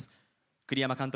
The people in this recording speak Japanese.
栗山監督